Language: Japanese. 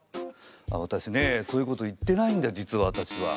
わたしねそういうこと言ってないんだ実はわたしは。